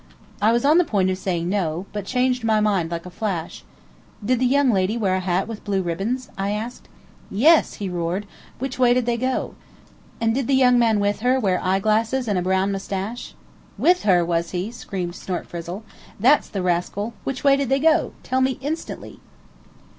I was on the point of saying No, but changed my mind like a flash. "Did the young lady wear a hat with blue ribbons?" I asked. "Yes!" he roared. "Which way did they go?" "And did the young man with her wear eyeglasses and a brown moustache?" "With her, was he?" screamed Snortfrizzle. "That's the rascal. Which way did they go? Tell me instantly."